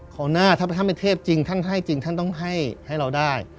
ของหน้าถ้าท่านเป็นเทพจริงท่านให้จริงท่านต้องให้เราได้